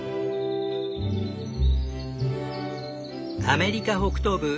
アメリカ北東部